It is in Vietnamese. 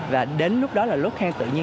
và đến lúc đó là lúc khang tự nhiên